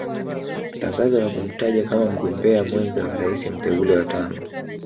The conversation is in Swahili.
Tangazo la kumtaja kama mgombea mwenza wa rais mteule wa tano